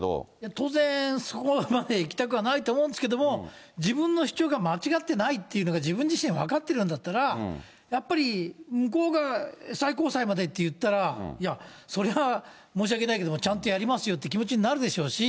当然、そこまでいきたくはないと思うんですけども、自分の主張が間違ってないっていうのが、自分自身分かってるんだったら、やっぱり向こうが最高裁までっていったら、いや、それは申し訳ないけれども、ちゃんとやりますよっていう気持ちになるでしょうし。